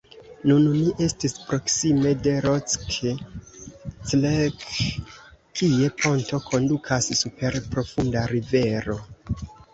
Nun ni estis proksime de Rock Creek, kie ponto kondukas super profunda rivero.